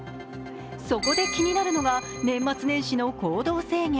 そこで気になるのが年末年始の行動制限。